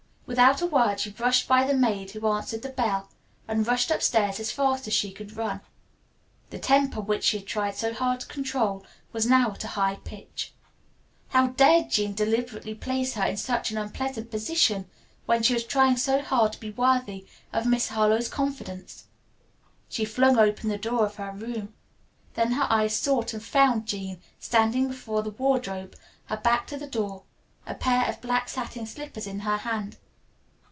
Without a word she brushed by the maid who answered the bell, and rushed upstairs as fast as she could run. The temper which she had tried so hard to control was now at a high pitch. How dared Jean deliberately place her in such an unpleasant position when she was trying so hard to be worthy of Miss Harlowe's confidence? She flung open the door of her room. Then her eyes sought and found Jean standing before the wardrobe, her back to the door, a pair of black satin slippers in her hand.